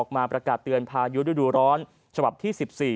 มาประกาศเตือนพายุฤดูร้อนฉบับที่๑๔